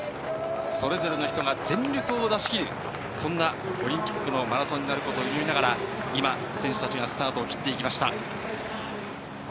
それぞれの人が全力を出し切るそんなオリンピックのマラソンになることを祈りながら今、選手たちがスタートを切っていきました。